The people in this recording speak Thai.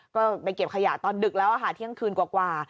ก็ไปเก็บขยะตอนดึกแล้วค่ะเที่ยงคืนกว่า